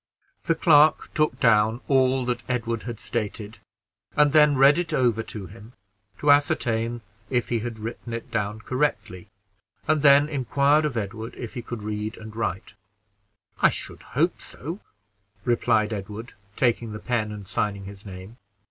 The clerk took down all that Edward had stated, and then read it over to him to ascertain if he had written it down correctly, and then inquired of Edward "if he could read and write?" "I should hope so," replied Edward, taking the pen and signing his name.